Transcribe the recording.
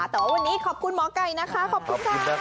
แต่ว่าวันนี้ขอบคุณหมอไก่นะคะขอบคุณค่ะ